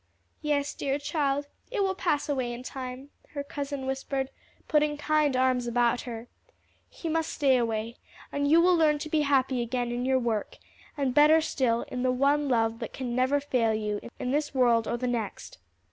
"Yes, dear child, it will pass away in time," her cousin whispered, putting kind arms about her. "He must stay away, and you will learn to be happy again in your work, and, better still, in the one love that can never fail you in this world or the next."